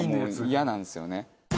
イヤなんですよね。